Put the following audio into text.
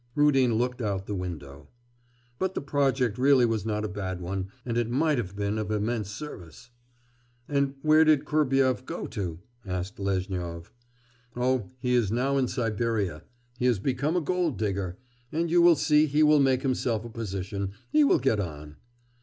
Rudin looked out of the window. 'But the project really was not a bad one, and it might have been of immense service.' 'And where did Kurbyev go to?' asked Lezhnyov. 'Oh, he is now in Siberia, he has become a gold digger. And you will see he will make himself a position; he will get on.